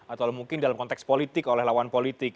atau mungkin dalam konteks politik oleh lawan politik